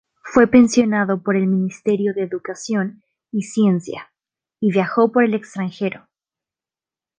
Fue pensionado por el Ministerio de Educación y Ciencia y viajó por el extranjero.